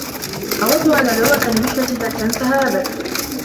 أودّ أن أدعوك لرحلة لن تنسها أبدا.